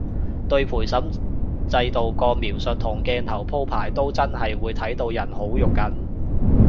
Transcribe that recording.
對陪審制度個描述同鏡頭鋪排都真係會睇到人好肉緊